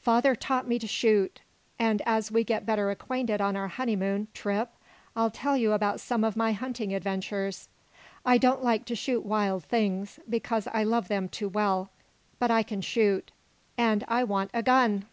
"Father taught me to shoot, and as we get better acquainted on our honeymoon trip I'll tell you about some of my hunting adventures. I don't like to shoot wild things, because I love them too well. But I can shoot. And I want a gun!"